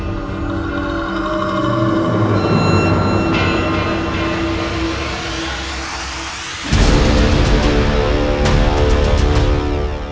setelah setengah anggaran